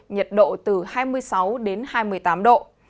nhiệt độ từ hai mươi sáu đến hai mươi tám độ